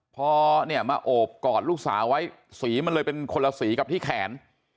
พอเนี่ยมาโอบกอดลูกสาวไว้สีมันเลยเป็นคนละสีกับที่แขน